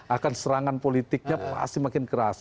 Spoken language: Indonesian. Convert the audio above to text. akan serangan politiknya pasti makin keras